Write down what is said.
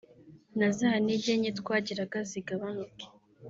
na za ntege nke twagiraga zigabanuke”